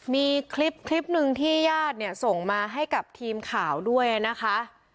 มีคลิปคลิปหนึ่งที่ญาติเนี่ยส่งมาให้กับทีมข่าวด้วยนะคะ